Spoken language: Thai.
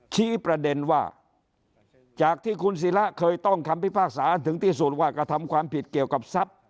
ชี้ประเด็นว่าจากที่คุณศิระเคยต้องคำพิพากษาอันถึงที่สุดว่ากระทำความผิดเกี่ยวกับทรัพย์